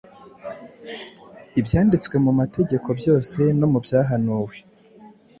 ibyanditwe mu mategeko byose no mu byahanuwe;”